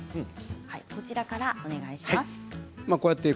こちらからお願いします。